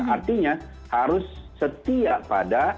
artinya harus setia pada